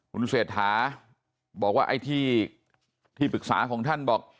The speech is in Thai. คุณเศรษฐาบอกว่าไอ้ที่ปรึกษาของท่านบอก